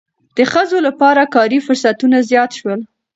د ښځو لپاره کاري فرصتونه زیات شول.